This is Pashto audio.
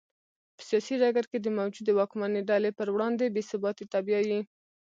په سیاسي ډګر کې د موجودې واکمنې ډلې پر وړاندې بې ثباتۍ ته بیايي.